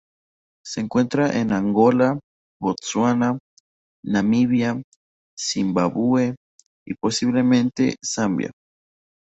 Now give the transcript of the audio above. Se encuentra en Angola, Botsuana, Namibia, Zimbabue, y posiblemente Zambia.